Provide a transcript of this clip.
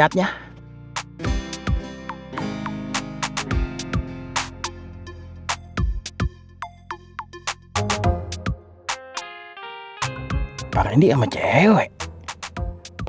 anak perempuan mama